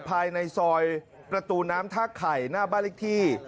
ภายในซอยประตูน้ำท่าไข่หน้าบ้านเลขที่